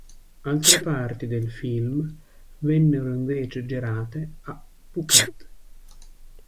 Altre parti del film vennero invece girate a Phuket.